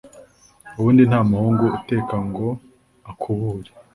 “Ubundi nta muhungu uteka ngo akubure.